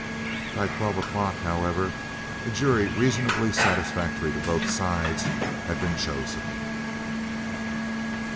By twelve o'clock, however, a jury reasonably satisfactory to both sides had been chosen.